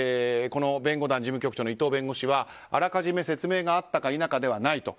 弁護団事務局長の伊藤弁護士はあらかじめ説明があったか否かではない。